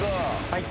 はい。